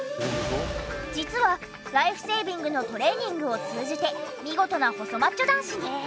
実はライフセービングのトレーニングを通じて見事な細マッチョ男子に。